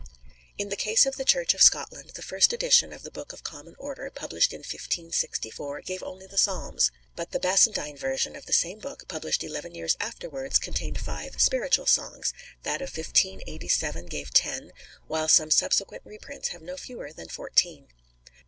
In the case of the Church of Scotland, the first edition of the Book of Common Order, published in 1564, gave only the Psalms; but the Bassandyne edition of the same book, published eleven years afterwards, contained five "Spiritual Songs;" that of 1587 gave ten, while some subsequent reprints have no fewer than fourteen.